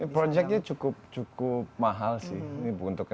proyeknya cukup mahal sih